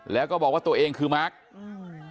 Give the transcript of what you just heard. แล้วก็บอกว่าตัวเองคือมาร์คอืม